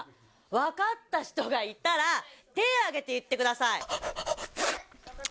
分かった人がいたら、手挙げて言ってください。